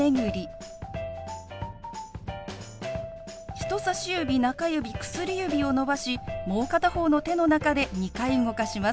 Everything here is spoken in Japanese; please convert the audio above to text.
人さし指中指薬指を伸ばしもう片方の手の中で２回動かします。